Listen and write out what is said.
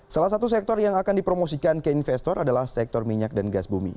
salah satu sektor yang akan dipromosikan ke investor adalah sektor minyak dan gas bumi